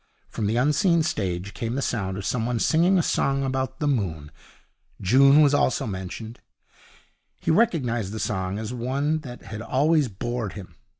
From the unseen stage came the sound of someone singing a song about the moon. June was also mentioned. He recognized the song as one that had always bored him.